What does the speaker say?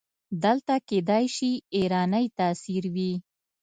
دلته کیدای شي ایرانی تاثیر وي.